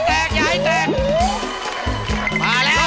เอาไปแล้ว